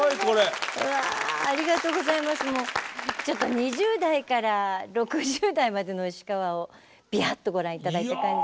２０代から６０代までの石川をビヤッとご覧頂いた感じ。